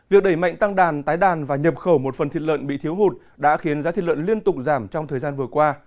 việc đẩy mạnh tăng đàn tái đàn và nhập khẩu một phần thịt lợn bị thiếu hụt đã khiến giá thịt lợn liên tục giảm trong thời gian vừa qua